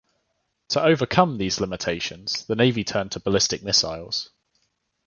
To over come these limitations, the Navy turned to ballistic missiles.